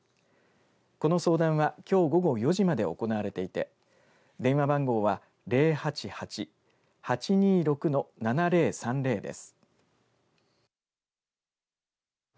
この相談はきょう午後４時まで行われていて電話番号は０８８−８２６−７０３０です。